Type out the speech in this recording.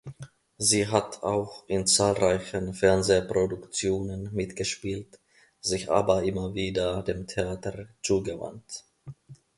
Sie hat auch in zahlreichen Fernsehproduktionen mitgespielt, sich aber immer wieder dem Theater zugewandt.